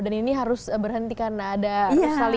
dan ini harus berhenti karena ada salingan